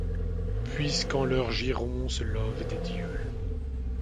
Puisqu'en leurs girons se lovent des dieux.